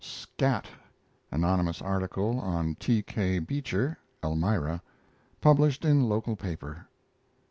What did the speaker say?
S'CAT! Anonymous article on T. K. Beecher (Elmira), published in local paper.